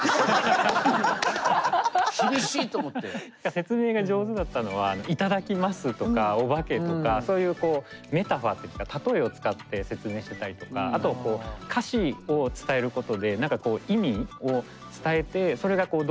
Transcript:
説明が上手だったのは「いただきます」とか「おばけ」とかそういうメタファーっていうんですかたとえを使って説明してたりとかあとは歌詞を伝えることで何かこう意味を伝えてそれが動作に連動するみたいな。